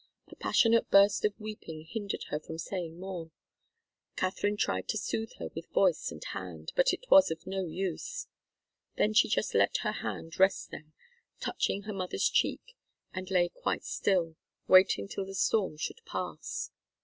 A passionate burst of weeping hindered her from saying more. Katharine tried to soothe her with voice and hand, but it was of no use. Then she just let her hand rest there, touching her mother's cheek, and lay quite still, waiting till the storm should pass.